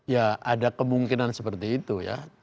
ya ada kemungkinan seperti itu ya